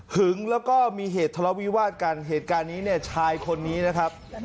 หึงแล้วก็มีเหตุธรรมวิวาสกันเหตุการณ์นี้ชายคนนี้นะครับ